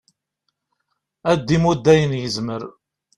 ad d-imudd ayen yezmer